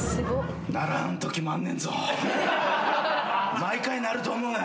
毎回鳴ると思うなよ。